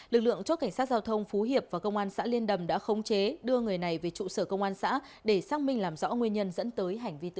lực lượng chốt cảnh sát giao thông phú hiệp và công an xã liên đầm đã khống chế đưa người này về trụ sở công an xã để xác minh làm rõ nguyên nhân dẫn tới hành vi tự tử